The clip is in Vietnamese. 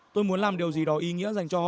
tôi muốn làm điều gì đó ý nghĩa dành cho